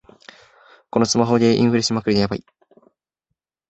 このスマホゲー、インフレしまくりでヤバい